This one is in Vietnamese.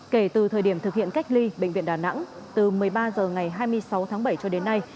kể từ thời điểm thực hiện cách ly bệnh viện đà nẵng từ một mươi ba h ngày hai mươi sáu tháng bảy cho đến nay